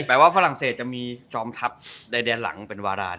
แปลว่าฝรั่งเศสจะมีจอมทัพใดแดนหลังเป็นวาราน